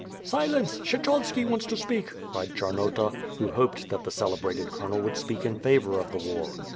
"Silence, Kshechovski wants to speak," cried Charnota, who hoped that the celebrated colonel would speak in favor of the war.